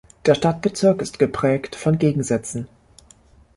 Der Stadtbezirk ist geprägt von Gegensätzen.